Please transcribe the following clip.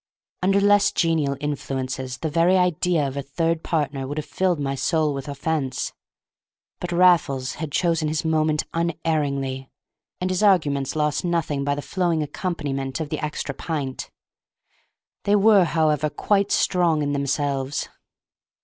Under less genial influences the very idea of a third partner would have filled my soul with offence; but Raffles had chosen his moment unerringly, and his arguments lost nothing by the flowing accompaniment of the extra pint. They were, however, quite strong in themselves.